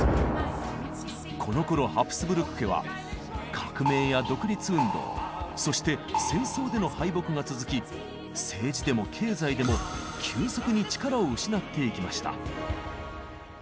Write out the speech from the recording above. このころハプスブルク家は革命や独立運動そして戦争での敗北が続き政治でも経済でも急速に力を失っていきました。